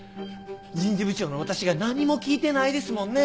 人事部長の私が何も聞いてないですもんね。